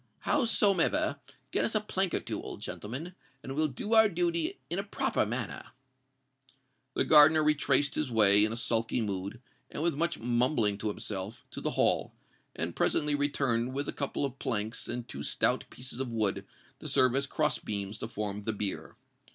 Howsomever, get us a plank or two, old gentleman; and we'll do our duty in a proper manner." The gardener retraced his way, in a sulky mood, and with much mumbling to himself, to the Hall, and presently returned with a couple of planks and two stout pieces of wood to serve as cross beams to form the bier.